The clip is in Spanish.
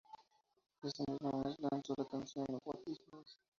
Ese mismo mes, lanzó la canción What It Is.